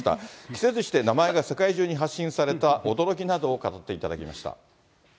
期せずして名前が世界中に発信された驚きなどを語っていただきました。